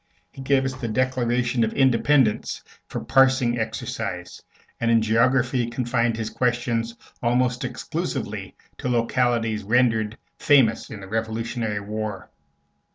He gave us the Declaration of Independence for a parsing exercise, and in geography confined his questions almost exclusively to localities rendered famous in the Revolutionary War.